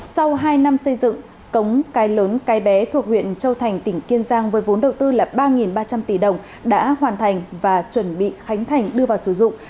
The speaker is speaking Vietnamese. sau hai năm xây dựng cống cái lớn cái bé thuộc huyện châu thành tỉnh kiên giang với vốn đầu tư là ba ba trăm linh tỷ đồng đã hoàn thành và chuẩn bị khánh thành đưa vào sử dụng